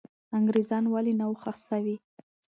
انګریزان ولې نه وو ښخ سوي؟